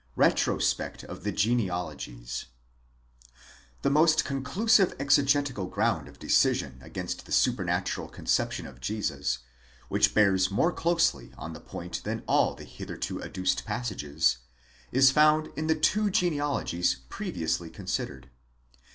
RETROSPECT OF THE GENEALOGIES, The most conclusive exegetical ground of decision against the supernatural conception of Jesus, which bears more closely on the point than all the hitherto adduced passages, is found in the two genealogies previously con sidered.